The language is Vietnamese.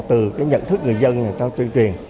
từ cái nhận thức người dân trong tuyên truyền